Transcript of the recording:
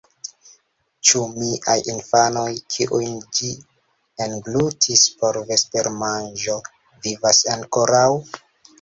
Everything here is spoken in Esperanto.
"Ĉu miaj infanoj, kiujn ĝi englutis por vespermanĝo, vivas ankoraŭ?"